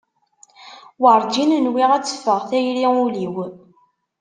Werǧin nwiɣ ad teffeɣ tayri ul-iw.